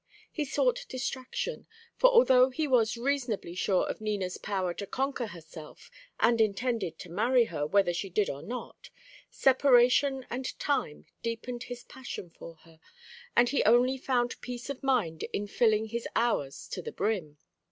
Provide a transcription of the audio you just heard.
He sought distraction, for although he was reasonably sure of Nina's power to conquer herself, and intended to marry her whether she did or not, separation and time deepened his passion for her, and he only found peace of mind in filling his hours to the brim.